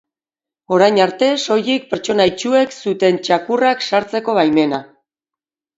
Orain arte soilik pertsona itsuek zuten txakurrak sartzeko baimena.